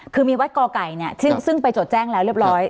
คือมีวัดกอไก่เนี่ยซึ่งไปจดแจ้งแล้วเรียบร้อย